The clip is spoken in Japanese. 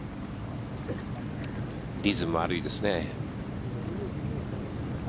リズムが悪いですね。